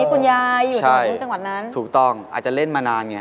คุณยายอยู่ตรงนี้จังหวัดนั้นถูกต้องอาจจะเล่นมานานไง